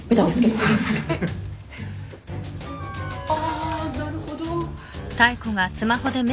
あなるほど。